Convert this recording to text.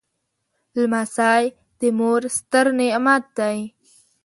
لمسی د مور ستر نعمت دی.